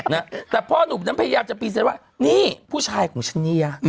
นะแต่พ่อหนุ่มนั้นพยายามจะพรีเซนต์ว่านี่ผู้ชายของฉันเนี่ย